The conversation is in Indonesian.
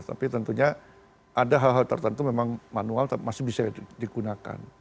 tapi tentunya ada hal hal tertentu memang manual masih bisa digunakan